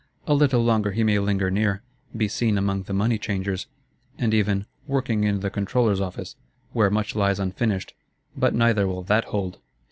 A little longer he may linger near; be seen among the money changers, and even "working in the Controller's office," where much lies unfinished: but neither will that hold.